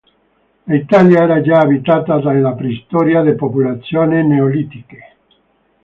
L'Italia era già abitata dalla preistoria da popolazioni neolitiche.